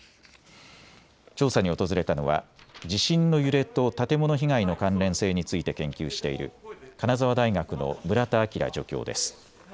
調査に訪れたのは地震の揺れと建物被害の関連性について研究している金沢大学の村田晶助教です。